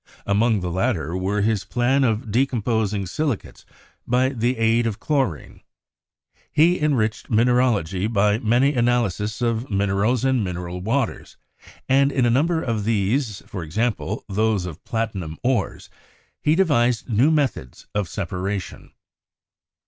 Among the latter were his plan of decomposing silicates by the aid of chlorine. He enriched mineralogy by many analyses of minerals and mineral waters, and in a number of these — e.g., those of platinum ores — he devised new methods of separation.